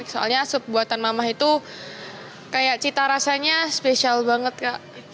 soalnya sup buatan mamah itu kayak cita rasanya spesial banget kak